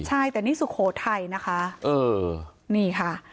ใช่แต่นี่สุโขทัยนะคะนี่ค่ะ